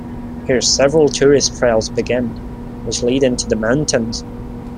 Here several tourist trails begin, which lead into the mountains.